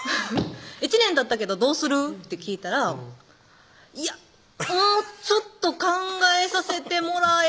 「１年たったけどどうする？」って聞いたら「いやもうちょっと考えさせてもらえ」